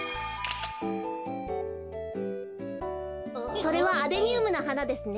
それはアデニウムのはなですね。